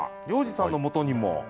要次さんのもとにも。